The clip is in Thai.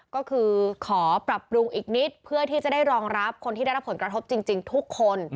ก็คือขอปรับปรุงอีกนิดเพื่อที่จะได้รองรับคนที่ได้รับผลกระทบจริงทุกคน